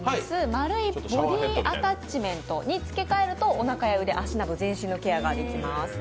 丸いボディアタッチメントに付け替えるとおなかや腕、足など全身のケアができます。